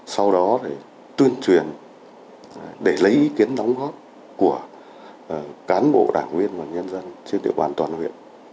sau đó tuyên truyền để lấy ý kiến đóng góp của cán bộ đảng viên và nhân dân trên địa bàn toàn huyện